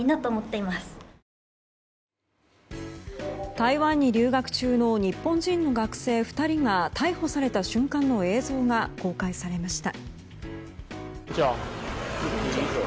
台湾に留学中の日本人の学生２人が逮捕された瞬間の映像が公開されました。